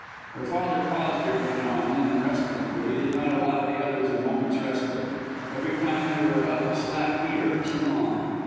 Her father paused every now and then, and rested; but he did not allow the others a moment's respite. Every time they were about to slack, he urged them on.